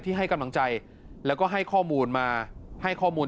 ให้กำลังใจแล้วก็ให้ข้อมูลมาให้ข้อมูล